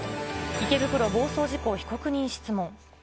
池袋暴走事故、被告人質問。